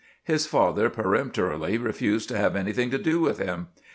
His father peremptorily refused to have anything to do with him.